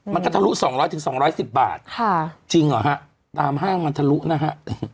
มันก็ทะลุสองร้อยถึงสองร้อยสิบบาทค่ะจริงเหรอฮะตามห้างมันทะลุนะฮะ